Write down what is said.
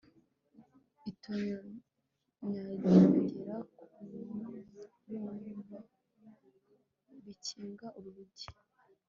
itonyangira ku byuma bikinga urugi